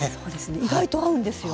意外と合うんですよ。